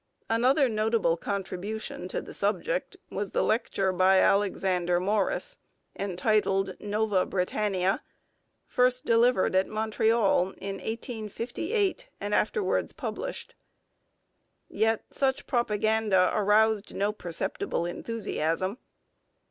Another notable contribution to the subject was the lecture by Alexander Morris entitled Nova Britannia, first delivered at Montreal in 1858 and afterwards published. Yet such propaganda aroused no perceptible enthusiasm.